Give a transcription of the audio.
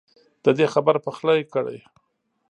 ددې خبر پخلی کړی